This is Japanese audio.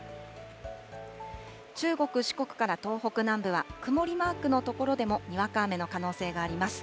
中国、四国から東北南部は、曇りマークの所でもにわか雨の可能性があります。